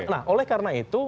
nah oleh karena itu